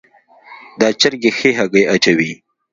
دا چرګي ښي هګۍ اچوي